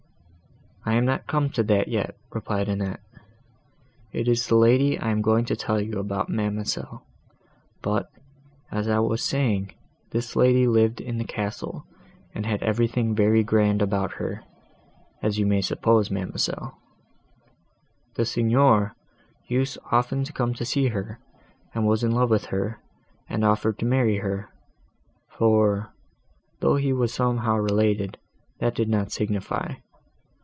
"I am not come to that yet," replied Annette, "it is the lady I am going to tell you about, ma'amselle: but, as I was saying, this lady lived in the castle, and had everything very grand about her, as you may suppose, ma'amselle. The Signor used often to come to see her, and was in love with her, and offered to marry her; for, though he was somehow related, that did not signify.